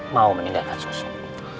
mau meninggalkan susuk